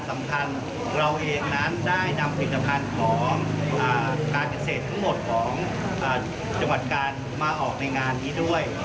สำคัญเราเองนั้นได้นำผลิตภัณฑ์ของการเกษตรทั้งหมดของจังหวัดกาลมาออกในงานนี้ด้วย